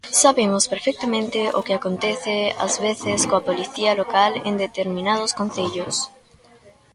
Sabemos perfectamente o que acontece ás veces coa Policía local en determinados concellos.